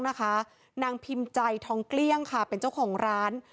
นางพิมพ์ใจทองเกลี้ยงค่ะเป็นเจ้าของร้าน